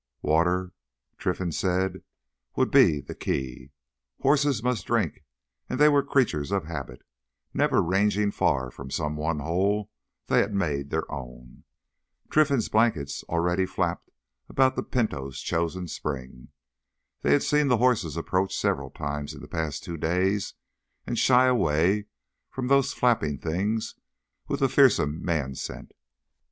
Water, Trinfan said, would be the key. Horses must drink and they were creatures of habit, never ranging far from some one hole they had made their own. Trinfan blankets already flapped about the Pinto's chosen spring. They had seen the horses approach several times in the past two days and shy away from those flapping things with the fearsome man scent.